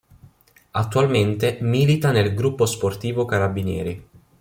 Attualmente milita nel Gruppo Sportivo Carabinieri.